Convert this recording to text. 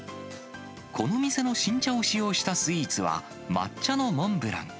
この店の新茶を使用したスイーツは、抹茶のモンブラン。